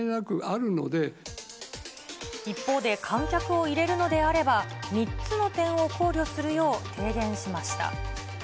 一方で、観客をいれるのであれば３つの点を考慮するよう提言しました。